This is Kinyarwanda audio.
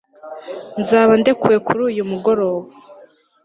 Nzaba ndekuwe kuri uyu mugoroba